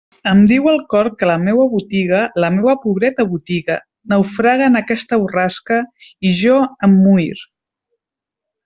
Em diu el cor que la meua botiga, la meua pobreta botiga, naufraga en aquesta borrasca, i jo em muir.